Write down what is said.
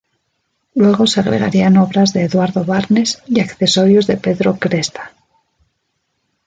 Luego se agregarían obras de Eduardo Barnes y accesorios de Pedro Cresta.